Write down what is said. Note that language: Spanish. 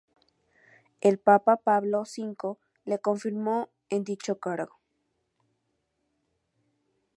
El papa Pablo V le confirmó en dicho cargo.